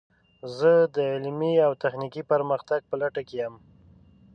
زه د علمي او تخنیکي پرمختګ په لټه کې یم.